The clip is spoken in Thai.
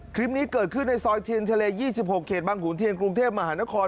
คลิปนี้เกิดขึ้นในซอยเทียนทะเล๒๖เขตบางขุนเทียนกรุงเทพมหานคร